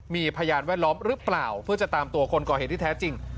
มีพยานแวดล้อมหรือเปล่าเพื่อจะตามตัวคนก่อเหตุที่แท้จริง